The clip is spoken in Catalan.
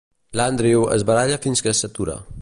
L'Andrew es baralla fins que es satura.